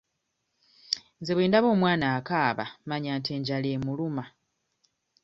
Nze bwe ndaba omwana akaaba mmanya nti enjala emuluma.